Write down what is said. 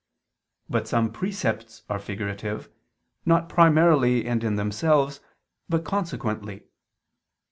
But some precepts are figurative, not primarily and in themselves, but consequently.